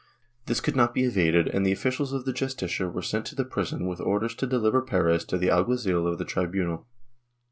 This could not be evaded and the officials of the Justicia were sent to the prison with orders to deliver Perez to the alguazil of the tribunal.